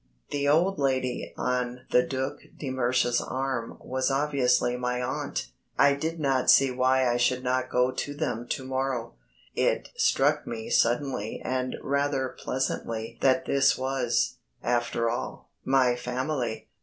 The old lady on the Duc de Mersch's arm was obviously my aunt. I did not see why I should not go to them to morrow. It struck me suddenly and rather pleasantly that this was, after all, my family.